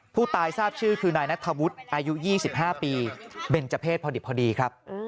ผู้ตายทราบชื่อคือนายนัทธวุฒิอายุ๒๕ปีเบนเจอร์เพศพอดีครับ